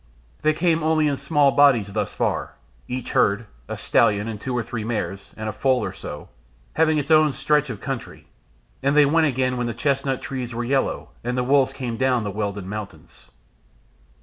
They came only in small bodies thus far, each herd, a stallion and two or three mares and a foal or so, having its own stretch of country, and they went again when the chestnut trees were yellow and the wolves came down the Wealden mountains.